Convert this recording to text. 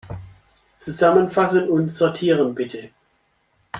Zusammenfassen und sortieren, bitte.